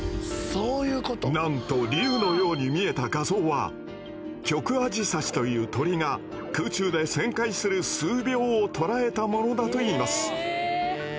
なんと竜のように見えた画像はキョクアジサシという鳥が空中で旋回する数秒を捉えたものだといいます。